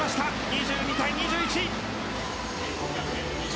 ２２対２１！